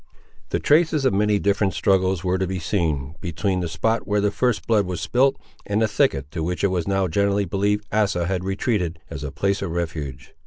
The traces of many different struggles were to be seen, between the spot where the first blood was spilt and the thicket to which it was now generally believed Asa had retreated, as a place of refuge.